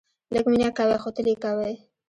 لږ مینه کوئ ، خو تل یې کوئ